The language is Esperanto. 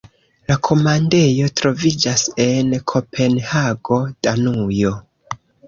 La komandejo troviĝas en Kopenhago, Danujo.